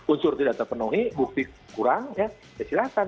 unsur tidak terpenuhi bukti kurang ya silakan